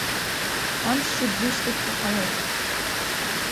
Амш шьыбжьышьҭахьра ҟалеит.